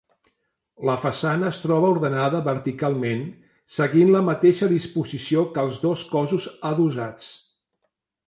La façana es troba ordenada verticalment, seguint la mateixa disposició que els dos cossos adossats.